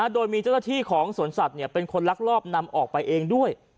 โดยมีเจ้าหน้าที่ของสวนสัตว์เป็นคนลักลอบนำออกไปเองด้วย